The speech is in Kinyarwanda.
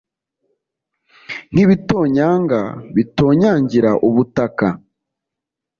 nk'ibitonyanga bitonyangira ubutaka